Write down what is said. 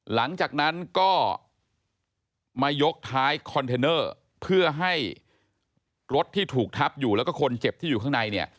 หลังจากนั้นก็มายกท้ายคอนเทนเนอร์เพื่อให้รถที่ถูกทับอยู่แล้วก็คนเจ็บที่อยู่ข้างในเนี่ย